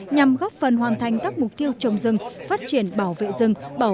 nhằm góp phần hoàn thành các mục tiêu trồng rừng phát triển bảo vệ rừng